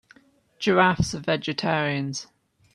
Giraffes are vegetarians.